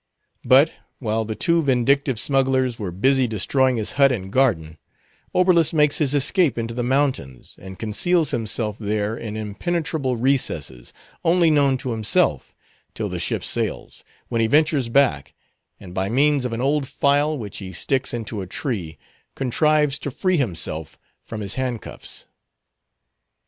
But while the too vindictive smugglers were busy destroying his hut and garden, Oberlus makes his escape into the mountains, and conceals himself there in impenetrable recesses, only known to himself, till the ship sails, when he ventures back, and by means of an old file which he sticks into a tree, contrives to free himself from his handcuffs.